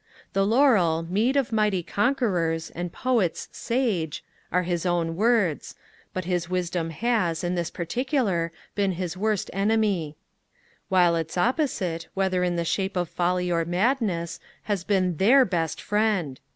The laurel, meed of mighty conquerors And poets sage are his own words; but his wisdom has, in this particular, been his worst enemy: while its opposite, whether in the shape of folly or madness, has been their best friend.